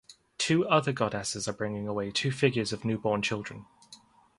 Two other goddesses are bringing away two figures of newborn children.